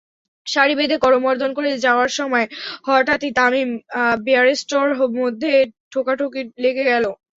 সারি বেঁধে করমর্দন করে যাওয়ার সময় হঠাৎই তামিম-বেয়ারস্টোর মধ্যে ঠোকাঠুকি লেগে গেল।